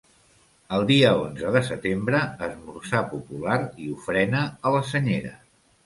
El dia onze de setembre, esmorzar popular i ofrena a la senyera.